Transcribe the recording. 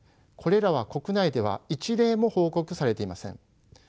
これらは国内では一例も報告されていません。